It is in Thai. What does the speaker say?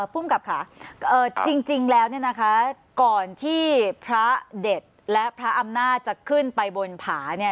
ภูมิกับค่ะจริงแล้วเนี่ยนะคะก่อนที่พระเด็ดและพระอำนาจจะขึ้นไปบนผาเนี่ย